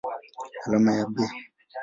Alama yake ni Be.